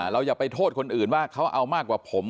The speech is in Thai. อย่าไปโทษคนอื่นว่าเขาเอามากกว่าผม